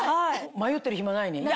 迷ってる暇ないね